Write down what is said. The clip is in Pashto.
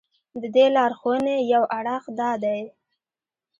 د دې لارښوونې یو اړخ دا دی.